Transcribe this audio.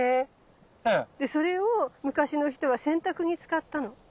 え⁉それを昔の人は洗濯に使ったの。